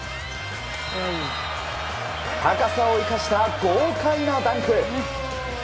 高さを生かした豪快なダンク！